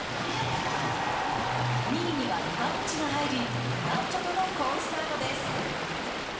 ２位には岩渕が入り男女とも好スタートです。